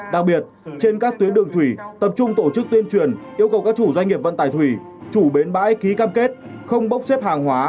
đặc biệt trên các tuyến đường thủy tập trung tổ chức tuyên truyền yêu cầu các chủ doanh nghiệp vận tải thủy chủ bến bãi ký cam kết không bốc xếp hàng hóa